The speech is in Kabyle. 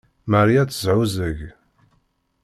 Marie ad tesɛuẓẓeg.